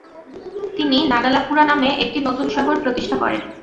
তিনি নাগালাপুরা নামে একটি নতুন শহর প্রতিষ্ঠা করেন।